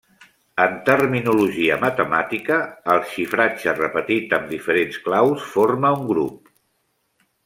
En terminologia matemàtica, el xifratge repetit amb diferents claus forma un grup.